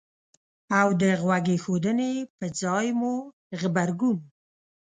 او د غوږ ایښودنې په ځای مو غبرګون